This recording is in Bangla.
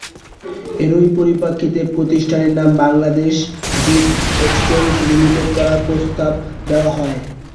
এরই পরিপ্রেক্ষিতে প্রতিষ্ঠানের নাম বাংলাদেশ জুট এক্সচেঞ্জ লিমিটেড করার প্রস্তাব দেওয়া হয়।